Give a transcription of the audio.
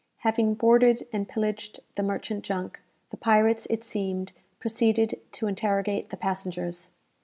Having boarded and pillaged the merchant junk, the pirates, it seemed, proceeded to interrogate the passengers.